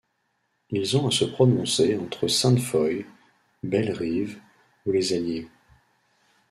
Ils ont à se prononcer entre Sainte-Foy, Bellerive ou les Alliés.